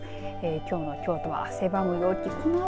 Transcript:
きょうの京都は汗ばむ陽気。